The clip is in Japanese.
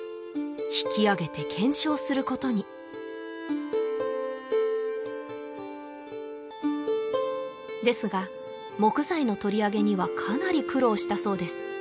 引き上げて検証することにですが木材の取り上げにはかなり苦労したそうです